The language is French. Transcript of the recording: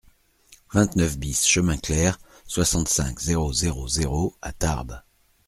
vingt-neuf BIS chemin Clair, soixante-cinq, zéro zéro zéro à Tarbes